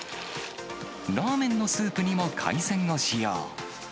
ラーメンのスープにも海鮮を使用。